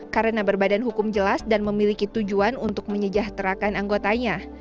karena berbadan hukum jelas dan memiliki tujuan untuk menyejahterakan anggotanya